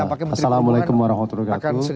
assalamualaikum wr wb